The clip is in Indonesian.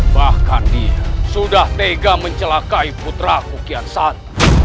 bahkan dia sudah tega mencelakai putra kukiansan